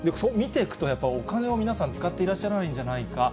やっぱお金を皆さん、使っていらっしゃらないんじゃないか。